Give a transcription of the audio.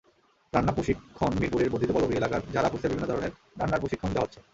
রান্না প্রশিক্ষণমিরপুরের বর্ধিত পল্লবী এলাকার জারা ফুডসের বিভিন্ন ধরনের রান্নার প্রশিক্ষণ দেওয়া হচ্ছে।